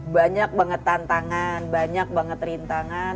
banyak banget tantangan banyak banget rintangan